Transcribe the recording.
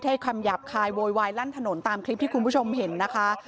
ให้คำหยาบคายโวยวายลั่นถนนตามคลิปที่คุณผู้ชมเห็นนะคะ